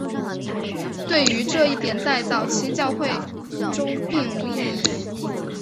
对于这一点在早期教会中并无异议。